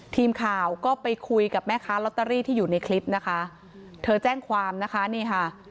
ทีมข่าวก็ไปคุยกับแม่ค้าลอตเตอรี่ที่อยู่ในคลิปนะคะเธอแจ้งความนะคะนี่ค่ะ